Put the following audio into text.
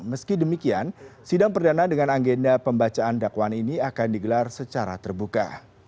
meski demikian sidang perdana dengan agenda pembacaan dakwaan ini akan digelar secara terbuka